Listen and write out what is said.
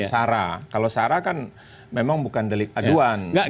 sarah kalau sarah kan memang bukan delik aduan